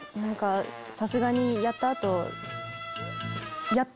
さすがにやった後。